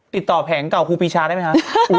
แผงเก่าครูปีชาได้ไหมคะ